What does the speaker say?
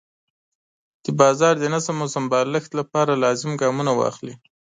د بازار د نظم او سمبالښت لپاره لازم ګامونه واخلي.